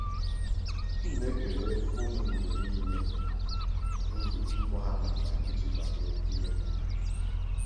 Agwụ na-awa n'afa